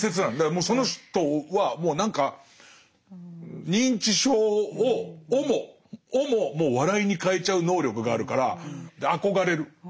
もうその人はもう何か認知症をももう笑いに変えちゃう能力があるから憧れる。